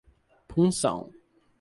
Punção